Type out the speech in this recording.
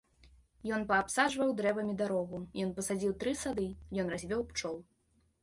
Ён паабсаджваў дрэвамі дарогу, ён пасадзіў тры сады, ён развёў пчол.